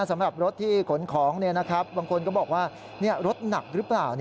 สำหรับรถที่ขนของบางคนก็บอกว่ารถหนักหรือเปล่า